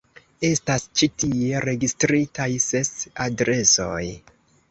Estas ĉi tie registritaj ses adresoj.